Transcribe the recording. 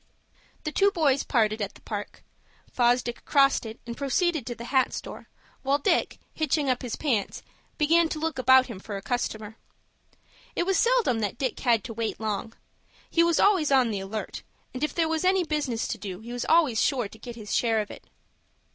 The two boys parted at the Park. Fosdick crossed it, and proceeded to the hat store, while Dick, hitching up his pants, began to look about him for a customer. It was seldom that Dick had to wait long. He was always on the alert, and if there was any business to do he was always sure to get his share of it.